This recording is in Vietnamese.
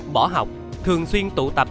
bỏ học thường xuyên tụ tập